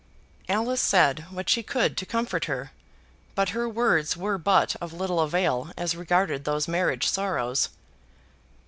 Alice said what she could to comfort her, but her words were but of little avail as regarded those marriage sorrows.